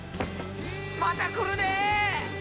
また来るで！